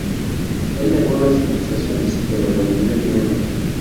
Él negó las acusaciones, pero devolvió el dinero.